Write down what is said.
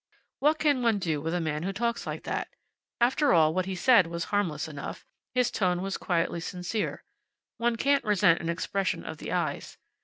What can one do with a man who talks like that? After all, what he said was harmless enough. His tone was quietly sincere. One can't resent an expression of the eyes.